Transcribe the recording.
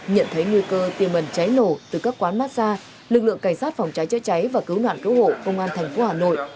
nhận thấy nguy cơ tiêu mần cháy nổ từ các quán mát xa lực lượng cảnh sát phòng cháy cháy cháy và cứu nạn cứu hộ công an thành phố hà nội